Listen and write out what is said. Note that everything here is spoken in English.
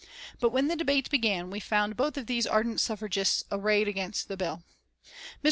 But when the debates began we found both of these ardent suffragists arrayed against the bill. Mr.